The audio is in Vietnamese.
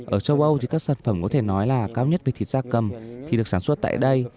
ở châu âu thì các sản phẩm có thể nói là cao nhất về thịt da cầm thì được sản xuất tại đây